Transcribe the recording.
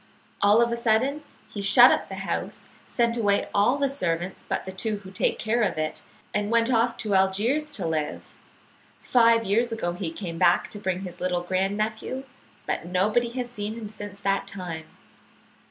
All of a sudden he shut up the house, sent away all the servants but the two who take care of it, and went off to Algiers to live. Five years ago he came back to bring his little grand nephew, but nobody has seen him since that time.